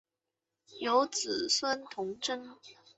有子孙同珍。